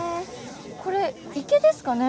これ池ですかね？